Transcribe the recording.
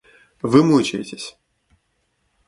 Вы мучаетесь.